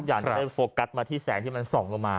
อยากจะได้โฟกัสมาที่แสงที่มันส่องลงมา